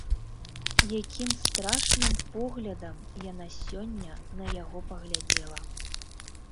Якім страшным поглядам яна сёння на яго паглядзела!